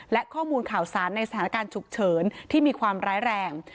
และข้อมูลข่าวสารในสถานการณ์ฉุกเฉินที่มีความร้ายแรง